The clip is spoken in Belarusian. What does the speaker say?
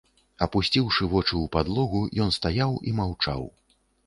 Апусціўшы вочы ў падлогу, ён стаяў і маўчаў.